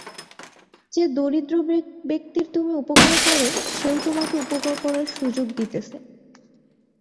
যে দরিদ্র ব্যক্তির তুমি উপকার কর, সেও তোমাকে উপকার করার সুযোগ দিতেছে।